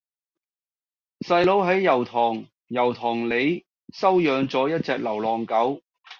細佬喺油塘油塘里收養左一隻流浪狗